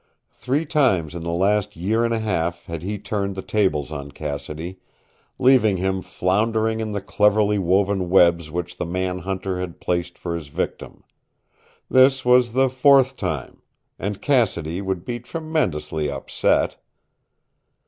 Three times in the last year and a half had he turned the tables on Cassidy, leaving him floundering in the cleverly woven webs which the man hunter had placed for his victim. This was the fourth time. And Cassidy would be tremendously upset!